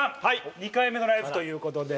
２回目の「ＬＩＦＥ！」ということで。